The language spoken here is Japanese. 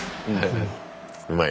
うまい。